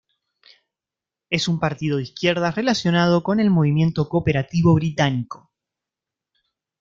Es un partido de izquierdas relacionado con el movimiento cooperativo británico.